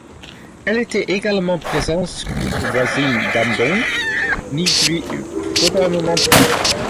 Elle était également présente sur l'île voisine d'Ambon, mais n'y vit probablement plus.